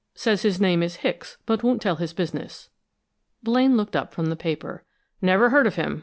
Says his name is Hicks, but won't tell his business." Blaine looked up from the paper. "Never heard of him.